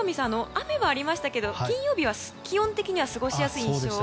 雨がありましたけど金曜日は気温的に過ごしやすい印象は。